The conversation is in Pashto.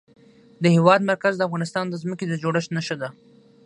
د هېواد مرکز د افغانستان د ځمکې د جوړښت نښه ده.